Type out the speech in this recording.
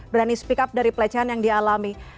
berani speak up dari pelecehan yang dialami